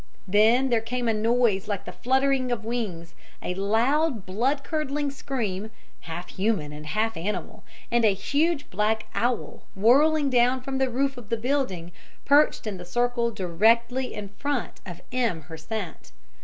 Then there came a noise like the flutterings of wings, a loud, blood curdling scream, half human and half animal, and a huge black owl, whirling down from the roof of the building, perched in the circle directly in front of M. Hersant.